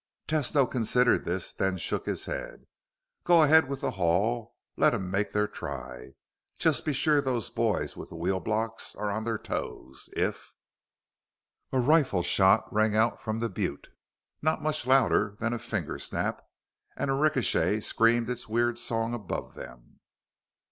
Tesno considered this, then shook his head. "Go ahead with the haul. Let them make their try. Just be sure those boys with the wheel block are on their toes. If " A rifle shot rang out from the butte, not much louder than a finger snap, and a ricochet screamed its weird song above them.